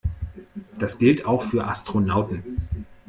Das gilt auch für Astronauten.